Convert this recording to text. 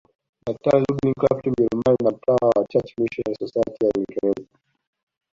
Daktari Ludwig Krapf Mjerumani na mtawa wa Church Missionary Society ya Uingereza